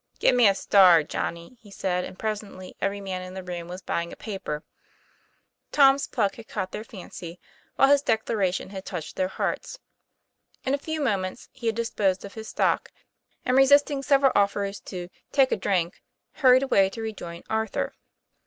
:' Give me a Star, Johnny," he said, and presently every man in the room was buying a paper. Tom's pluck had caught their fancy, while his declaration had touched their hearts. In a few moments he had disposed of his stock, and resisting several offers to 'take a drink," hurried away to rejoin Arthur.